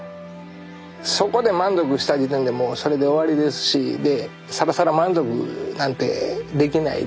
そこで満足した時点でもうそれで終わりですしでさらさら満足なんてできないですし。